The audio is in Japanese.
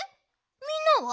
みんなは？